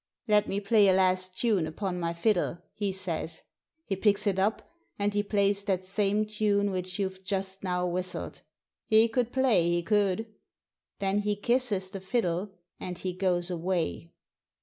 ' Let me play a last tune upon my fiddle,' he says. He picks it up, and he plays that same tune which you've just now whistled. He could play, he could! Then he kisses the fiddle and he goes away."